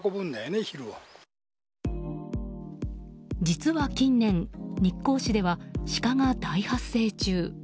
実は近年、日光市ではシカが大発生中。